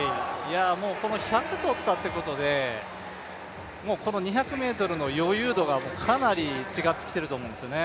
この１００とったっていうことで、この２００ｍの余裕度がかなり違ってきていると思うんですね、